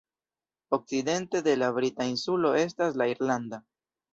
Okcidente de la brita insulo estas la irlanda.